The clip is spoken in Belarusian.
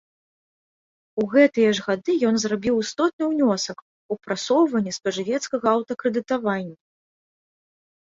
У гэтыя ж гады ён зрабіў істотны ўнёсак у прасоўванне спажывецкага аўтакрэдытавання.